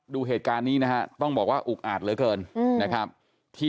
ดูเหตุการณ์นี้นะฮะต้องบอกว่าอุกอาจเหลือเกินนะครับที่